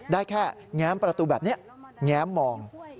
ได้แค่แง้มประตูแบบนี้แง้มมอง